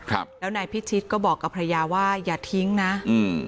ครับแล้วนายพิชิตก็บอกกับภรรยาว่าอย่าทิ้งนะอืม